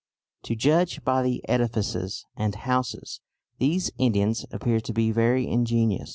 To judge by the edifices and houses these Indians appear to be very ingenious."